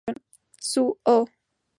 Su "Oh!